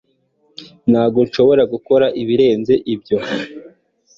ntabwo nshobora gukora ibirenze ibyo